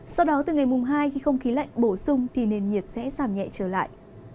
sau đó từ ngày mùng hai khi không khí lạnh bổ sung thì nền nhiệt sẽ giảm nhẹ trở lại